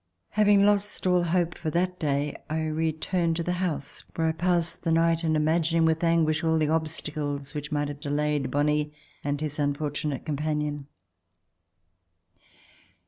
Having lost all hope for that day, I returned to the house where I passed the night In Imagining with anguish all the obstacles which might have delayed Bonle and his unfortunate companion.